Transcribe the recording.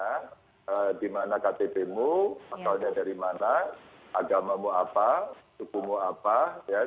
untuk menjamin mereka mendaftar mereka tanpa bertanya di mana ktp mu masalahnya dari mana agamamu apa suku mu apa ya tidak boleh ditanya itu